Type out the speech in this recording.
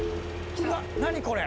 うわ何これ。